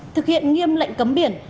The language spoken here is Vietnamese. thực hiện nghiêm lệnh cấm biển